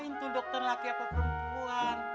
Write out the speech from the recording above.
lain tuh dokter laki laki atau perempuan